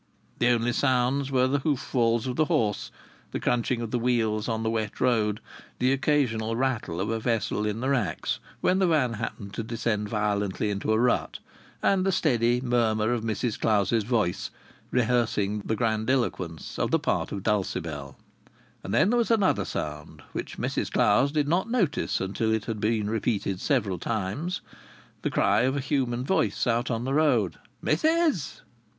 The only sounds were the hoof falls of the horse, the crunching of the wheels on the wet road, the occasional rattle of a vessel in the racks when the van happened to descend violently into a rut, and the steady murmur of Mrs Clowes's voice rehearsing the grandiloquence of the part of Dulcibel. And then there was another sound, which Mrs Clowes did not notice until it had been repeated several times; the cry of a human voice out on the road: "Missis!"